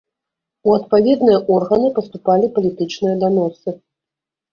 У адпаведныя органы паступалі палітычныя даносы.